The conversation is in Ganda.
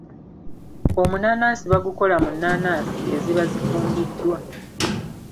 Omunnaanaasi bagukola mu nnaanaasi eziba zifumbiddwa.